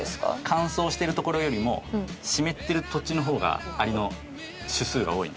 「乾燥してる所よりも湿ってる土地の方がアリの種数が多いんですね。